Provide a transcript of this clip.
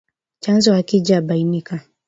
Chanzo hakijabainika